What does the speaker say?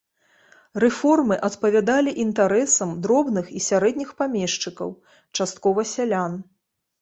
Рэформы адпавядалі інтарэсам дробных і сярэдніх памешчыкаў, часткова сялян.